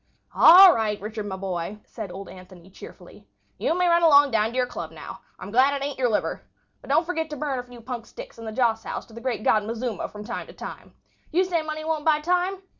"All right, Richard, my boy," said old Anthony, cheerfully. "You may run along down to your club now. I'm glad it ain't your liver. But don't forget to burn a few punk sticks in the joss house to the great god Mazuma from time to time. You say money won't buy time?